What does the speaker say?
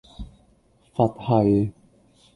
佛系